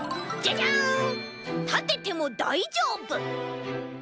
たててもだいじょうぶ！